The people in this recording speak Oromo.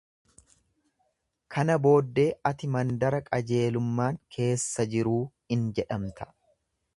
Kana booddee ati mandara qajeelummaan keessa jiruu in jedhamta.